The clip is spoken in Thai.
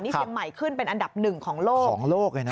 เชียงใหม่ขึ้นเป็นอันดับ๑ของโลก